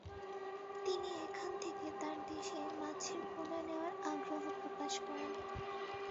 তিনি এখান থেকে তাঁর দেশে মাছের পোনা নেওয়ার আগ্রহ প্রকাশ করেন।